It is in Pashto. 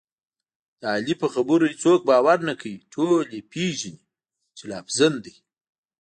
د علي په خبرو هېڅوک باور نه کوي، ټول یې پېژني چې لافزن دی.